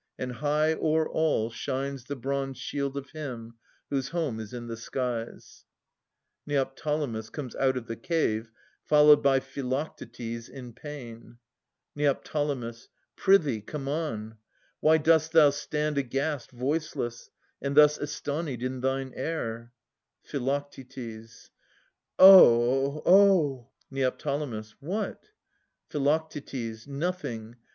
And high o'er all Shines the bronze shield of him, whose home is in the skies ^ [Neoptolemus comes out of the cave, followed by Philoctetes in pain. Neo. Prithee, come on ! Why dost thou stand aghast, Voiceless, and thus astonied in thine air ? Phi. Oh! oh! Neo. What ? Phi. Nothing.